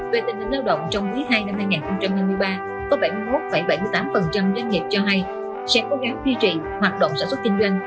về tình hình lao động trong quý ii năm hai nghìn hai mươi ba có bảy mươi một bảy mươi tám doanh nghiệp cho hay sẽ cố gắng duy trì hoạt động sản xuất kinh doanh